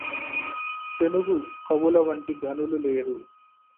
తెనుగు కవులవంటి ఘనులు లేరు